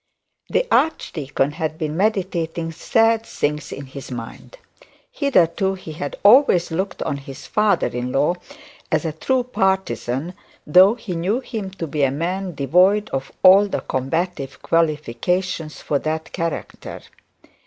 The archdeacon had been meditating sad things in his mind. Hitherto he had always looked on his father in law as a true partisan, though he knew him to be a man devoid of all the combative qualifications for that character.